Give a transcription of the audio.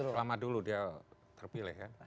selama dulu dia terpilih kan